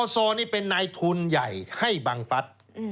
อสอนี่เป็นไนทุนใหญ่ให้บังฟัด